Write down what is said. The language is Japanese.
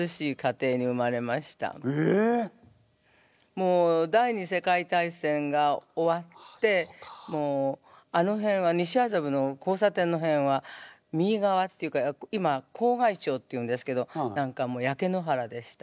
もう第２次世界大戦が終わってもうあの辺は西麻布の交差点のへんは右側っていうか笄町っていうんですけど何かもう焼け野原でした。